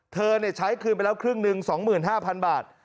เธอเนี่ยใช้แล้วครึ่งหนึ่ง๒๕๐๐๐บาท